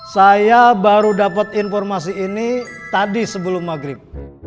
saya baru dapat informasi ini tadi sebelum maghrib